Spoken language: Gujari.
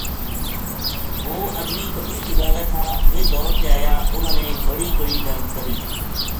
ہو اجڑی بکری چُگاوے تھا ویہ دوڑ کے آیا اُنھاں نے بڑی بڑی ڈنڈ کری